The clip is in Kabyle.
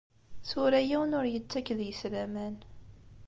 Tura yiwen ur yettak deg-s laman.